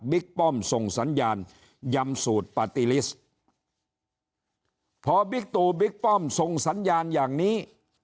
ป้อมส่งสัญญาณยำสูตรปาร์ตี้ลิสต์พอบิ๊กตู่บิ๊กป้อมส่งสัญญาณอย่างนี้